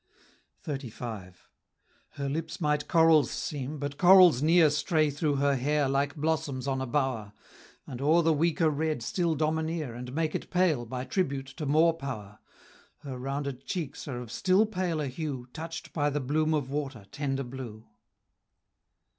XXXV. Her lips might corals seem, but corals near Stray through her hair like blossoms on a bower; And o'er the weaker red still domineer, And make it pale by tribute to more power; Her rounded cheeks are of still paler hue, Touch'd by the bloom of water, tender blue.